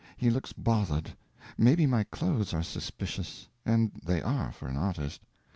He looks bothered. Maybe my clothes are suspicious; and they are—for an artist.